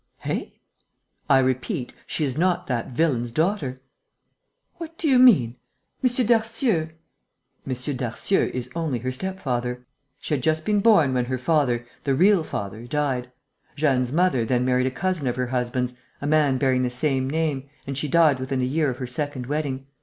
"Eh?" "I repeat, she is not that villain's daughter." "What do you mean? M. Darcieux...." "M. Darcieux is only her step father. She had just been born when her father, her real father, died. Jeanne's mother then married a cousin of her husband's, a man bearing the same name, and she died within a year of her second wedding.